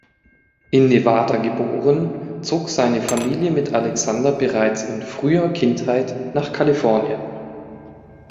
In Nevada geboren, zog seine Familie mit Alexander bereits in früher Kindheit nach Kalifornien.